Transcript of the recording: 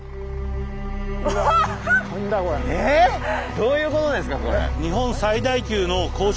どういうことですかこれ。